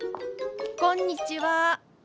こんにちは。